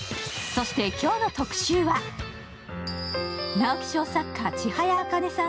直木賞作家・千早茜さん